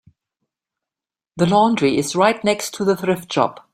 The laundry is right next to the thrift shop.